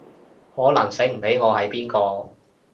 可能醒唔起我係邊個